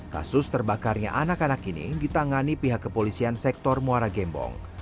kasus terbakarnya anak anak ini ditangani pihak kepolisian sektor muara gembong